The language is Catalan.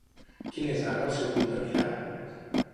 Quin és ara el seu punt de mira?